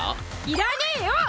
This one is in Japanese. いらねぇよ！